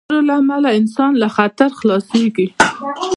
د خبرو له امله انسان له خطر خلاصېږي.